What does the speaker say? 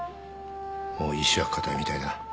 もう意思は固いみたいだ。